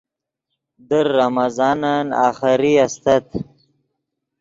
در رمضانن آخری استت